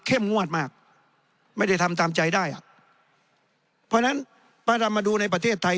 งวดมากไม่ได้ทำตามใจได้อ่ะเพราะฉะนั้นถ้าเรามาดูในประเทศไทย